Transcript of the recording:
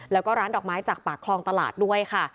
แล้วก็ร้านดอกไม้จากปากคลองตลาดด้วยค่ะ